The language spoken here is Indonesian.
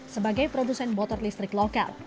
sebagai produsen motor listrik lokal